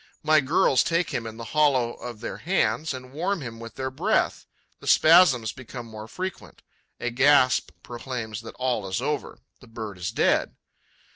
My girls take him in the hollow of their hands and warm him with their breath. The spasms become more frequent. A gasp proclaims that all is over. The bird is dead.